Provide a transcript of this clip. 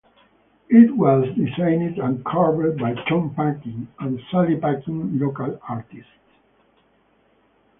It was designed and carved by Tom Paquin and Sally Paquin, local artists.